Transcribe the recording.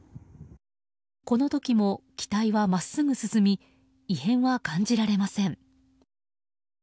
この時も機体は真っすぐ進み異変は感じられません。